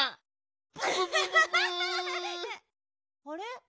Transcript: あれ？